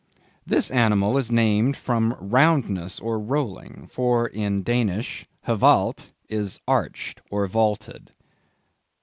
This animal is named from roundness or rolling; for in Dan. hvalt is arched or vaulted."